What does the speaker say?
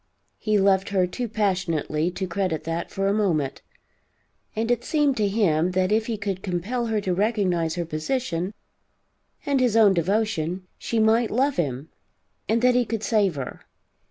He loved her too passionately to credit that for a moment. And it seemed to him that if he could compel her to recognize her position, and his own devotion, she might love him, and that he could save her.